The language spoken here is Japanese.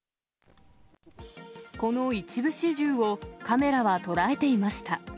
この一部始終をカメラは捉えていました。